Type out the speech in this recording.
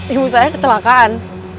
ibu saya kecelakaan